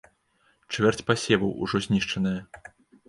Чвэрць пасеваў ужо знішчаная.